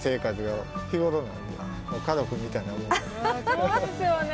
そうですよね。